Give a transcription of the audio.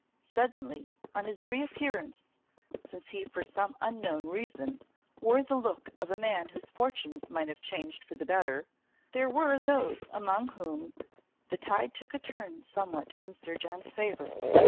Suddenly, on his reappearance, since he for some unknown reason wore the look of a man whose fortunes might have changed for the better, there were those among whom the tide took a turn somewhat in Sir John's favour.